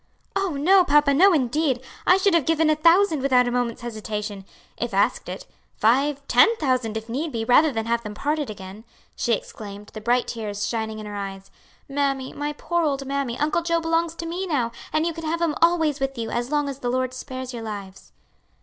"Oh, no, papa, no indeed! I should have given a thousand without a moment's hesitation, if asked it five, ten thousand, if need be, rather than have them parted again," she exclaimed, the bright tears shining in her eyes. "Mammy, my poor old mammy, Uncle Joe belongs to me now, and you can have him always with you as long as the Lord spares your lives."